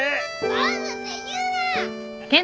坊主って言うな！